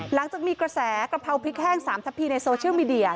หลังจากมีกระแสกะเพราพริกแห้ง๓ทัพพีในโซเชียลมีเดีย